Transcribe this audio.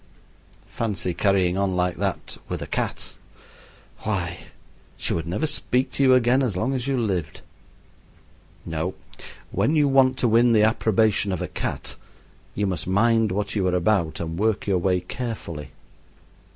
Fancy carrying on like that with a cat! Why, she would never speak to you again as long as you lived. No, when you want to win the approbation of a cat you must mind what you are about and work your way carefully.